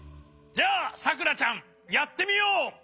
じゃあさくらちゃんやってみよう！